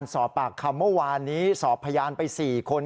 สอบปากคำเมื่อวานนี้สอบพยานไป๔คน